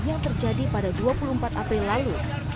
yang terjadi pada dua puluh empat april lalu